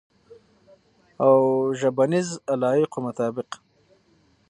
او ژبنیز علایقو مطابق